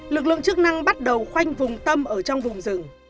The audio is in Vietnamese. lực lượng chức năng bắt đầu khoanh vùng tâm ở trong vùng rừng